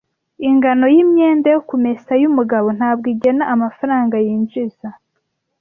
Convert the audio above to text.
Ingano yimyenda yo kumesa yumugabo ntabwo igena amafaranga yinjiza.